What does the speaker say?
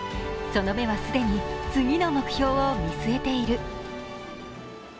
その目は既に次の目標を見据えている。